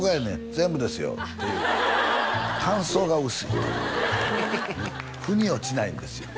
「全部ですよ」っていう「感想が薄い」とふに落ちないんですよ